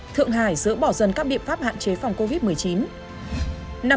thượng hải dỡ bỏ dần các biện pháp hạn chế phòng covid một mươi chín